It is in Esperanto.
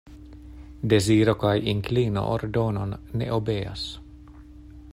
Deziro kaj inklino ordonon ne obeas.